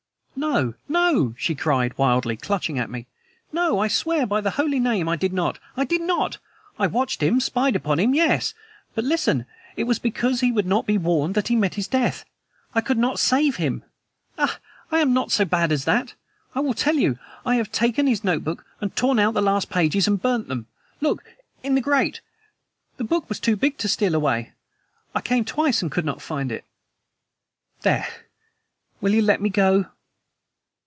"No, no!" she cried wildly, clutching at me. "No, I swear by the holy name I did not! I did not! I watched him, spied upon him yes! But, listen: it was because he would not be warned that he met his death. I could not save him! Ah, I am not so bad as that. I will tell you. I have taken his notebook and torn out the last pages and burnt them. Look! in the grate. The book was too big to steal away. I came twice and could not find it. There, will you let me go?"